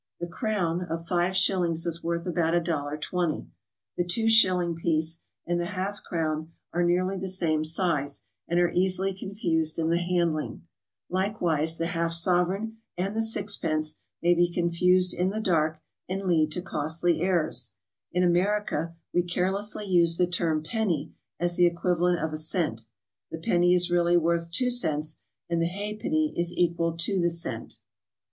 The crown, of five shillings, is worth about $1.20; the two shil ling piece and the half crown are nearly the same size and SOMEWHAT FINANCIAL. 191 are easily confused in the handling; likewise the half sov ereign and the sixpence may be confused in the dark and lead to costly errors. In America we carelessly use the term ''penny" as the equivalent of a cent; the penny is really worth two cents, and the ha'penny is equal to the cent.